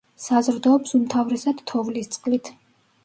საზრდოობს უმთავრესად თოვლის წყლით.